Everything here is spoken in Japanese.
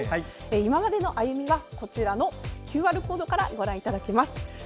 今までの歩みはこちらのＱＲコードからご覧いただけます。